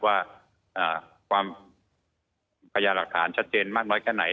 ว่าความพยายามหลักฐานชัดเจนมากน้อยแค่ไหน